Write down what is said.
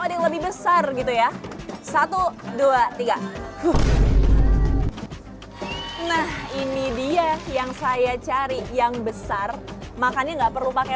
ada yang lebih besar gitu ya satu dua tiga nah ini dia yang saya cari yang besar makannya nggak perlu pakai